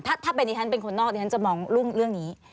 ถ้าเป็นดิฉันเป็นคนนอกดิฉันจะมองเรื่องนี้